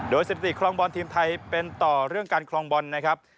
สถิติคลองบอลทีมไทยเป็นต่อเรื่องการคลองบอลนะครับ